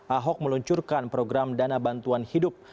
ahok meluncurkan program dana bantuan hidup